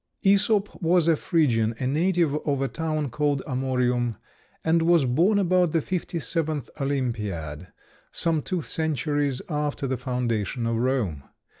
Æsop was a Phrygian, a native of a town called Amorium, and was born about the fifty seventh Olympiad, some two centuries after the foundation of Rome.